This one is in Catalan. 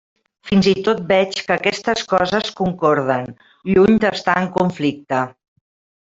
Fins i tot veig que aquestes coses concorden, lluny d'estar en conflicte.